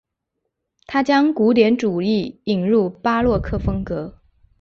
他将古典主义引入巴洛克风格。